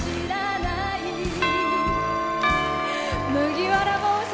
麦わら帽子。